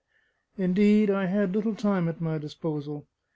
Indeed, I had little time at my disposal.